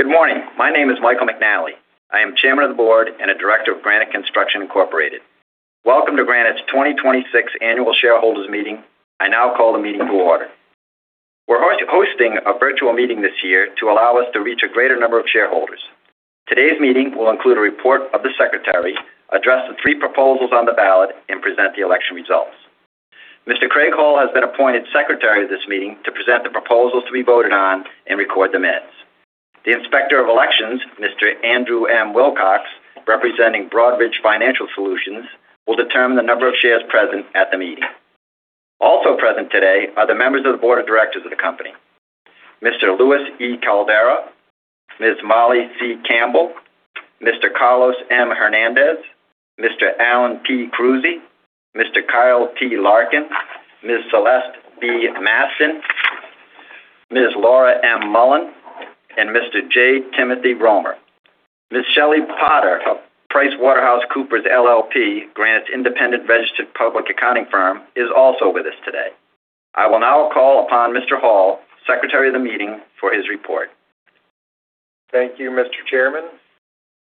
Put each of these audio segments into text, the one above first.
Good morning. My name is Michael McNally. I am Chairman of the Board and a Director of Granite Construction Incorporated. Welcome to Granite's 2026 Annual Shareholders Meeting. I now call the meeting to order. We're hosting a virtual meeting this year to allow us to reach a greater number of shareholders. Today's meeting will include a report of the Secretary, address the three proposals on the ballot, and present the election results. Mr. Craig Hall has been appointed Secretary of this meeting to present the proposals to be voted on and record the minutes. The Inspector of Elections, Mr. Andrew M. Wilcox, representing Broadridge Financial Solutions, will determine the number of shares present at the meeting. Also present today are the members of the Board of Directors of the company, Mr. Louis E. Caldera, Ms. Molly C. Campbell, Mr. Carlos M. Hernandez, Mr. Alan P. Krusi, Mr. Kyle T. Larkin, Ms. Celeste B. Mastin, Ms. Laura M. Mullen, and Mr. J. Timothy Romer. Ms. Shelley Potter of PricewaterhouseCoopers LLP, Granite's independent registered public accounting firm, is also with us today. I will now call upon Mr. Hall, Secretary of the meeting, for his report. Thank you, Mr. Chairman.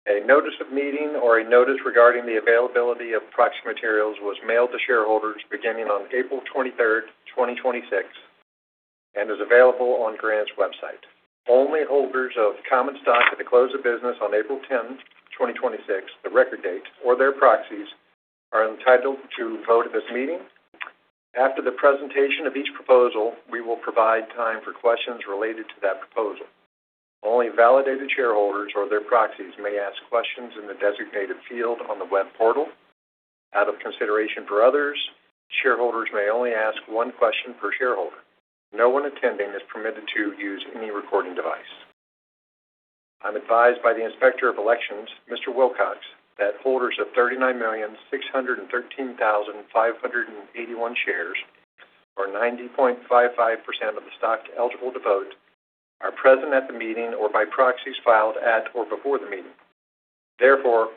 A notice of meeting or a notice regarding the availability of proxy materials was mailed to shareholders beginning on April 23rd, 2026, and is available on Granite's website. Only holders of common stock at the close of business on April 10th, 2026, the record date, or their proxies, are entitled to vote at this meeting. After the presentation of each proposal, we will provide time for questions related to that proposal. Only validated shareholders or their proxies may ask questions in the designated field on the web portal. Out of consideration for others, shareholders may only ask one question per shareholder. No one attending is permitted to use any recording device. I'm advised by the Inspector of Elections, Mr. Wilcox, that holders of 39,613,581 shares, or 90.55% of the stock eligible to vote, are present at the meeting or by proxies filed at or before the meeting. Therefore,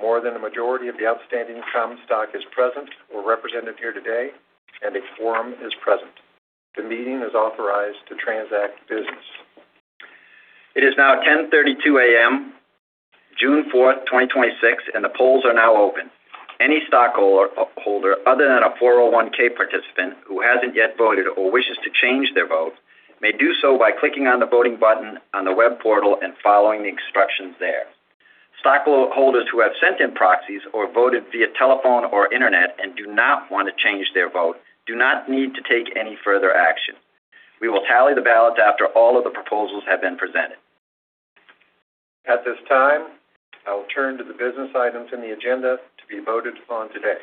more than a majority of the outstanding common stock is present or represented here today, and a quorum is present. The meeting is authorized to transact business. It is now 10:32 A.M., June 4th, 2026, and the polls are now open. Any stockholder other than a 401(k) participant who hasn't yet voted or wishes to change their vote may do so by clicking on the voting button on the web portal and following the instructions there. Stockholders who have sent in proxies or voted via telephone or internet and do not want to change their vote do not need to take any further action. We will tally the ballots after all of the proposals have been presented. At this time, I will turn to the business items in the agenda to be voted on today.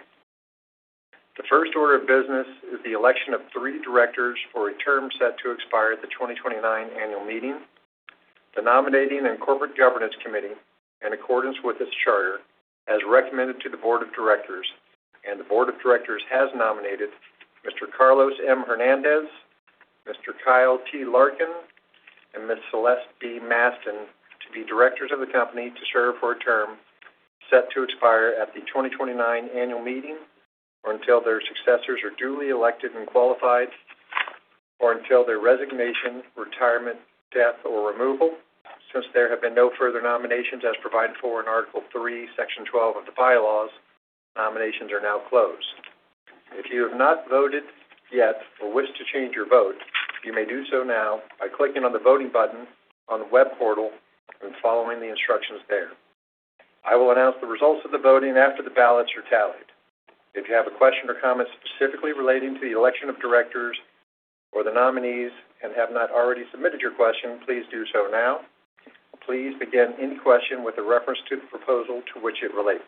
The first order of business is the election of three Directors for a term set to expire at the 2029 annual meeting. The Nominating and Corporate Governance Committee, in accordance with its charter, has recommended to the Board of Directors, and the Board of Directors has nominated Mr. Carlos M. Hernandez, Mr. Kyle T. Larkin, and Ms. Celeste B. Mastin to be Directors of the company to serve for a term set to expire at the 2029 annual meeting or until their successors are duly elected and qualified or until their resignation, retirement, death, or removal. Since there have been no further nominations as provided for in Article III, Section 12 of the bylaws, nominations are now closed. If you have not voted yet or wish to change your vote, you may do so now by clicking on the voting button on the web portal and following the instructions there. I will announce the results of the voting after the ballots are tallied. If you have a question or comment specifically relating to the election of Directors or the nominees and have not already submitted your question, please do so now. Please begin any question with a reference to the proposal to which it relates.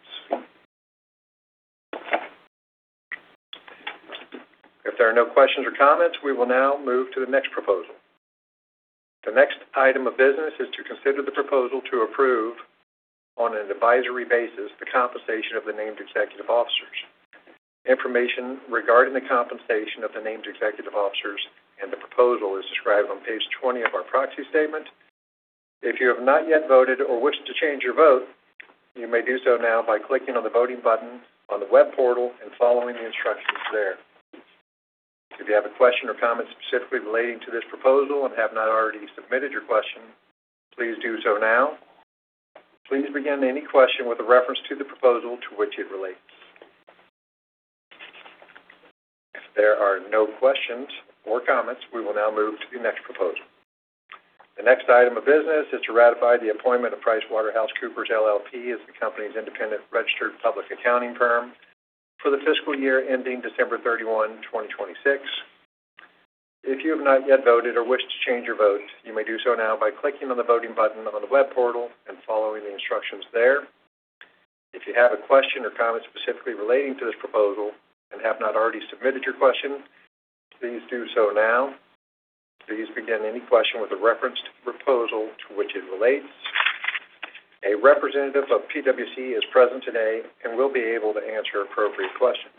If there are no questions or comments, we will now move to the next proposal. The next item of business is to consider the proposal to approve, on an advisory basis, the compensation of the named executive officers. Information regarding the compensation of the named executive officers and the proposal is described on page 20 of our proxy statement. If you have not yet voted or wish to change your vote, you may do so now by clicking on the voting button on the web portal and following the instructions there. If you have a question or comment specifically relating to this proposal and have not already submitted your question, please do so now. Please begin any question with a reference to the proposal to which it relates. If there are no questions or comments, we will now move to the next proposal. The next item of business is to ratify the appointment of PricewaterhouseCoopers LLP as the company's independent registered public accounting firm for the fiscal year ending December 31, 2026. If you have not yet voted or wish to change your vote, you may do so now by clicking on the voting button on the web portal and following the instructions there. If you have a question or comment specifically relating to this proposal and have not already submitted your question, please do so now. Please begin any question with a reference to the proposal to which it relates. A representative of PwC is present today and will be able to answer appropriate questions.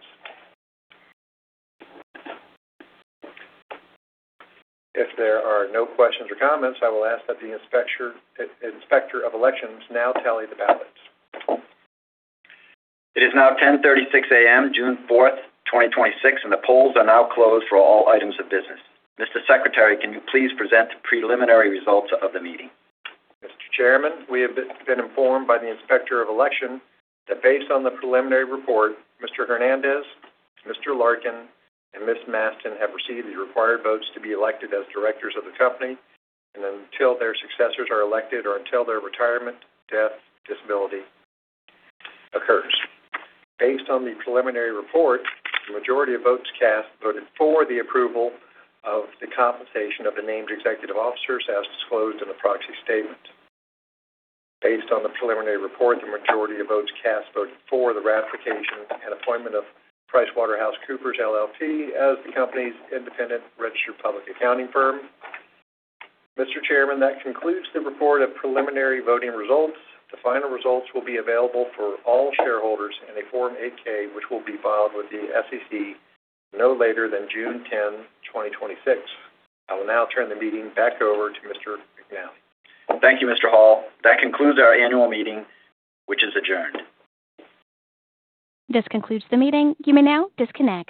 If there are no questions or comments, I will ask that the Inspector of Elections now tally the ballots. It is now 10:36 A.M., June 4th, 2026, and the polls are now closed for all items of business. Mr. Secretary, can you please present the preliminary results of the meeting? Mr. Chairman, we have been informed by the Inspector of Election that based on the preliminary report, Mr. Hernandez, Mr. Larkin, and Ms. Mastin have received the required votes to be elected as Directors of the company and until their successors are elected or until their retirement, death, disability occurs. Based on the preliminary report, the majority of votes cast voted for the approval of the compensation of the named executive officers as disclosed in the proxy statement. Based on the preliminary report, the majority of votes cast voted for the ratification and appointment of PricewaterhouseCoopers LLP as the company's independent registered public accounting firm. Mr. Chairman, that concludes the report of preliminary voting results. The final results will be available for all shareholders in a Form 8-K, which will be filed with the SEC no later than June 10, 2026. I will now turn the meeting back over to Mr. McNally. Thank you, Mr. Hall. That concludes our annual meeting, which is adjourned. This concludes the meeting. You may now disconnect.